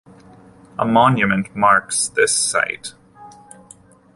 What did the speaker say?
A monument marks this site.